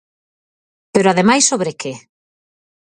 Pero, ademais, ¿sobre que?